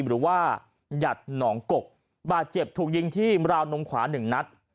หรือว่าหยัดหนองกกบาดเจ็บถูกยิงที่ราวนมขวาหนึ่งนัด